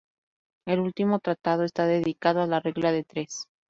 El último tratado está dedicado a la regla de tres.